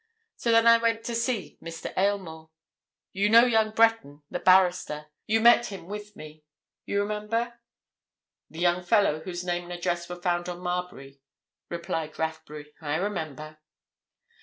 So then I went on to see Mr. Aylmore. You know young Breton, the barrister?—you met him with me, you remember?" "The young fellow whose name and address were found on Marbury," replied Rathbury. "I remember."